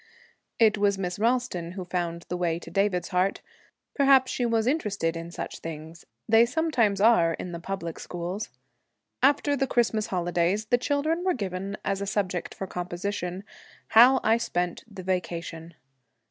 It was Miss Ralston who found the way to David's heart. Perhaps she was interested in such things; they sometimes are, in the public schools. After the Christmas holidays, the children were given as a subject for composition, 'How I spent the Vacation.'